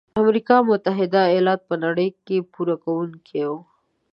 امریکا متحد ایلاتو په نړۍ کې پوره کوونکي وو.